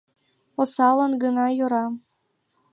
Осаллан гына йӧра.